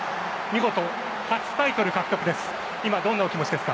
見事、初タイトル獲得です。